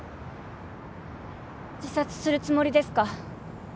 自殺するつもりですか？